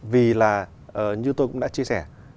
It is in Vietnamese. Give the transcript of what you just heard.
vì là như tôi cũng đã chia sẻ